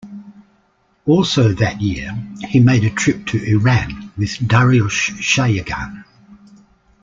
Also that year, he made a trip to Iran with Dariush Shayegan.